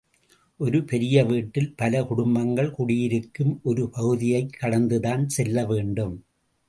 ஒரு பெரிய வீட்டில், பல குடும்பங்கள் குடியிருக்கும் ஒரு பகுதியைக் கடந்துதான் செல்ல வேண்டும்.